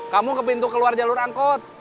kamu ke pintu keluar jalur angkut